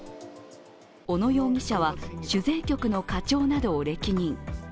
小野容疑者は主税局の課長などを歴任。